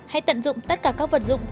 hay tận dụng tất cả các vật dụng